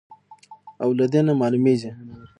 او له دې نه معلومېږي،